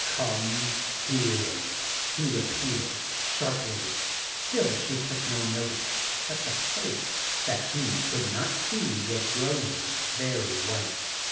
"Come here," he repeated sharply. Still she took no notice, but the face that he could not see was growing very white.